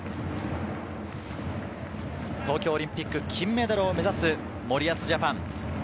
東京オリンピック金メダルを目指す森保ＪＡＰＡＮ。